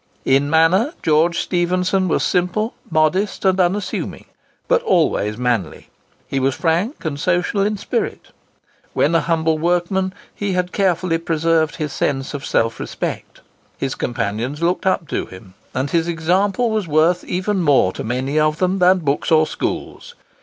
In manner, George Stephenson was simple, modest, and unassuming, but always manly. He was frank and social in spirit. When a humble workman, he had carefully preserved his sense of self respect. His companions looked up to him, and his example was worth even more to many of them than books or schools.